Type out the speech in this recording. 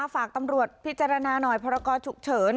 ฝากตำรวจพิจารณาหน่อยพรกรฉุกเฉิน